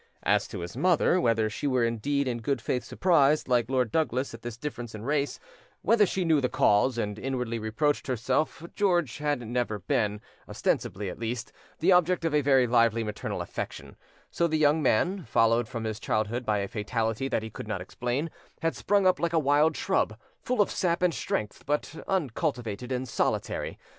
As to his mother, whether she were indeed in good faith surprised like Lord Douglas at this difference in race, whether she knew the cause and inwardly reproached herself, George had never been, ostensibly at least, the object of a very lively maternal affection; so the young man, followed from his childhood by a fatality that he could not explain, had sprung up like a wild shrub, full of sap and strength, but uncultivated and solitary.